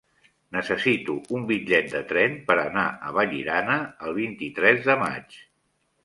Necessito un bitllet de tren per anar a Vallirana el vint-i-tres de maig.